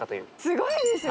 すごいですね。